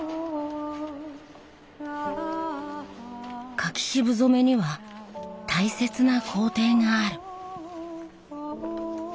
柿渋染めには大切な工程がある。